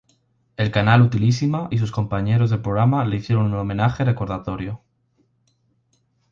El canal Utilísima y sus compañeros del programa le hicieron un homenaje recordatorio.